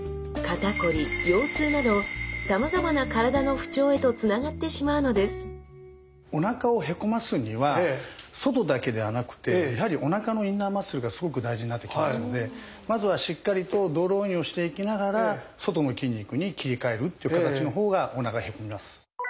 姿勢も崩れへとつながってしまうのですおなかをへこますには外だけではなくてやはりおなかのインナーマッスルがすごく大事になってきますのでまずはしっかりとドローインをしていきながら外の筋肉に切り替えるっていう形の方がおなかがへこみます！